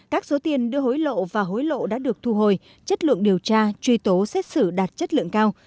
các số tiền đưa hối lộ và hối lộ đã được thu hồi chất lượng điều tra truy tố xét xử đạt chất lượng cao